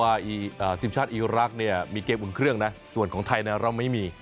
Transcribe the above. น่าสนใจนะครับเพราะว่าทีมชาติอีโรลักษณ์มีเกมอุ่นเครื่องนะส่วนของไทยเราไม่มี